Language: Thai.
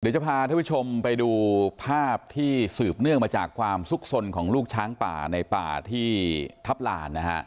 เดี๋ยวจะพาท่านผู้ชมไปดูภาพที่สืบเนื่องมาจากความสุขสนของลูกช้างป่าในป่าที่ทัพลานนะฮะ